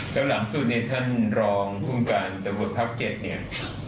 แล้วหลังสุดเนี่ยท่านรองทุ่มการตะวัดพัก๗เนี่ย